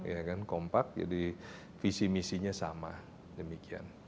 ya kan kompak jadi visi misinya sama demikian